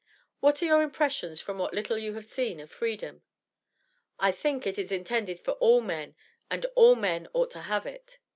"What are your impressions from what little you have seen of Freedom?" "I think it is intended for all men, and all men ought to have it."